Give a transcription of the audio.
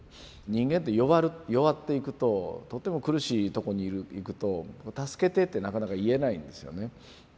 人間って弱っていくととても苦しいとこにいくと助けてってなかなか言えないんですよね。